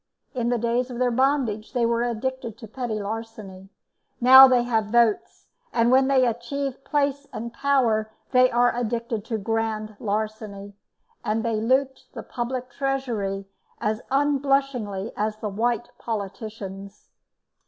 In the days of their bondage they were addicted to petty larceny; now they have votes, and when they achieve place and power they are addicted to grand larceny, and they loot the public treasury as unblushingly as the white politicians.